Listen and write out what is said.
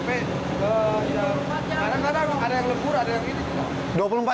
kadang kadang ada yang lembur ada yang ini